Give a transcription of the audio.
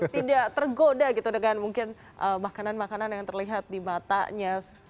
tidak tergoda gitu dengan mungkin makanan makanan yang terlihat di matanya